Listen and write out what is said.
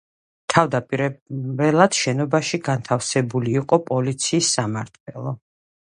თავდაპირველად შენობაში განთავსებული იყო პოლიციის სამმართველო.